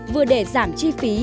vừa để giảm chi phí